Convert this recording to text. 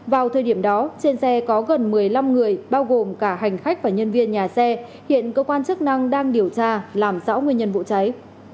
vào thời điểm đó trên xe có gần một mươi năm người bao gồm cả hành khách và nhân viên nhà xe hiện cơ quan chức năng đang điều tra làm rõ nguyên nhân vụ cháy